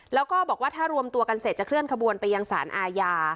แล้วก็บอกว่าถ้ารวมตัวกันเสร็จจะเคลื่อนขบวนไปยังสารอาญา